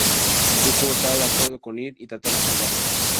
Zuko está de acuerdo con ir y tratar de salvarlo.